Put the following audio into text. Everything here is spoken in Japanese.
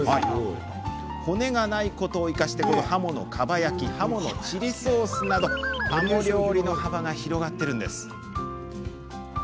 骨がないことを生かしてハモのかば焼きハモのチリソースなどハモ料理の幅が広がっています。